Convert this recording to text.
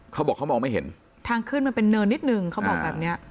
เขาบอกเขามองไม่เห็นทางขึ้นมันเป็นเนินนิดนึงเขาบอกแบบเนี้ย